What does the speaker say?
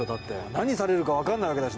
何されるかわかんないわけだし。